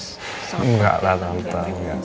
enggak lah tante